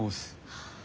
はあ。